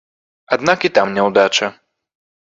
Аднак і там няўдача.